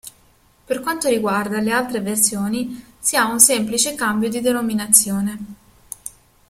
Per quanto riguarda le altre versioni, si ha un semplice cambio di denominazione.